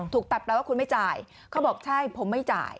ถูกตัดแปลว่าคุณไม่จ่ายเขาบอกใช่ผมไม่จ่าย